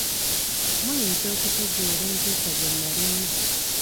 Muyinza okutegereza entiisa gye nalimu.